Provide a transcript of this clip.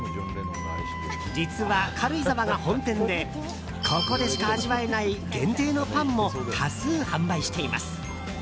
実は軽井沢が本店でここでしか味わえない限定のパンも多数販売しています。